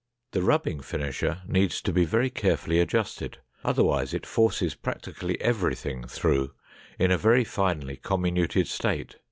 The rubbing finisher needs to be very carefully adjusted, otherwise it forces practically everything through in a very finely comminuted state.